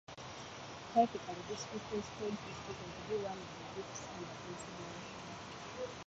Typically this reference point is taken to be one of the groups under consideration.